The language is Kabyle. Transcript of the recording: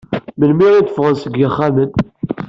Melmi i d-fɣen seg yexxamen?